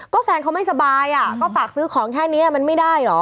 ก็แฟนเขาไม่สบายอ่ะก็ฝากซื้อของแค่นี้มันไม่ได้เหรอ